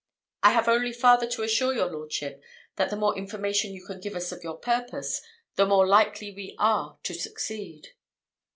I have only farther to assure your lordship, that the more information you can give us of your purpose, the more likely are we to succeed."